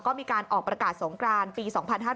ก็มีการออกประกาศสงกรานปี๒๕๕๙